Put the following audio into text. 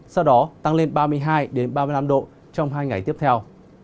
sau đó tăng lên ba mươi hai ba mươi năm độ trong hai ngày tiếp theo